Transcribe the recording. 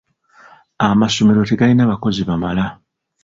Amasomero tegalina bakozi bamala.